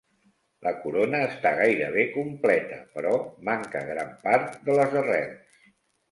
La corona està gairebé completa, però manca gran part de les arrels.